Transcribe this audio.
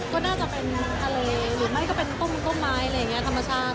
ก็น่าจะเป็นทะเลหรือไม่ก็เป็นต้มต้นไม้อะไรอย่างนี้ธรรมชาติ